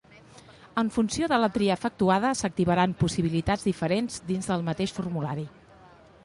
En funció de la tria efectuada s'activaran possibilitats diferents dins del mateix formulari.